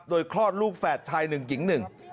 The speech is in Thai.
โดยคลอดลูกแฝดชาย๑กิง๑